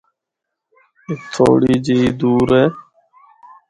اے تھوڑی جی ای دور ہے۔